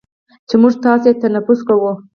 چې موږ تاسې یې تنفس کوو،